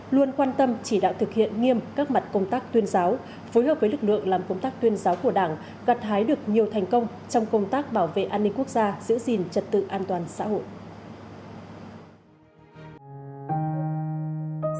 luôn quan tâm chỉ đạo thực hiện nghiêm các mặt công tác tuyên giáo phối hợp với lực lượng làm công tác tuyên giáo của đảng gặt hái được nhiều thành công trong công tác bảo vệ an ninh quốc gia giữ gìn trật tự an toàn xã hội